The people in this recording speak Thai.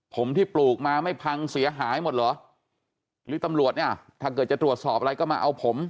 ผมที่ปลูกมาไม่พังเสียหายหมดเหรอหรือตำรวจเนี่ยถ้าเกิดจะตรวจสอบอะไรก็มาเอาผม